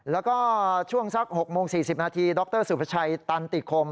แล้วก็ช่วงสัก๖โมง๔๐นาทีดรสุภาชัยตันติคม